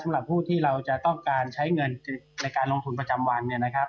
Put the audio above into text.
สำหรับผู้ที่เราจะต้องการใช้เงินในการลงทุนประจำวันเนี่ยนะครับ